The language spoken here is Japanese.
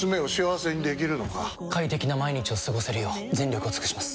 快適な毎日を過ごせるよう全力を尽くします！